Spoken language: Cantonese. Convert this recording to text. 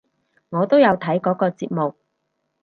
我都有睇嗰個節目！